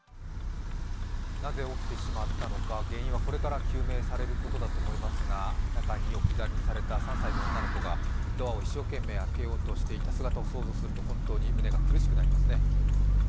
なぜ起きてしまったのか原因はこれから究明されることだと思いますが中に置き去りにされた３歳の女の子が、ドアを一生懸命開けようとしていた姿を想像すると本当に胸が苦しくなりますね。